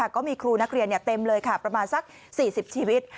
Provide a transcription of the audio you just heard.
ก็มีครูนักเรียนเต็มเลยค่ะประมาณสัก๔๐ชีวิต